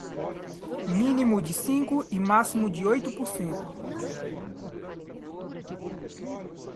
mínimo de cinco e máximo de oito por cento